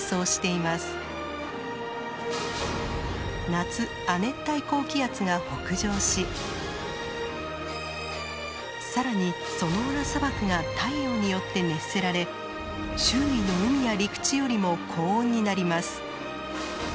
夏亜熱帯高気圧が北上し更にソノーラ砂漠が太陽によって熱せられ周囲の海や陸地よりも高温になります。